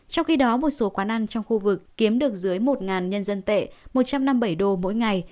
trong khi đó một số quán ăn trong khu vực kiếm được dưới một nhân dân tệ một trăm năm mươi bảy đô mỗi ngày